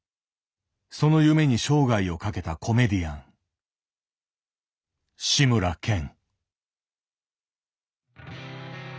その夢に生涯をかけたコメディアン志村けん。